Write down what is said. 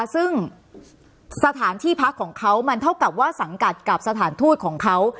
ซึ่งสถานที่พักของเขามันเท่ากับว่าสังกัดกับสถานทูตของเขา